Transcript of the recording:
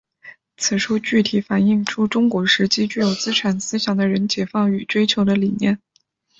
此书具体反映出中古时期具有资产思想的人解放与追求的理念。